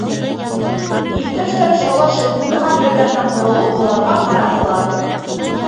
Иптәштәре, шаулашып ултырған ерҙәренән боролоп, быларға ҡаранылар.